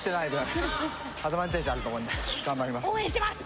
応援してます！